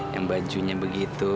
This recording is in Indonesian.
yang bajunya begitu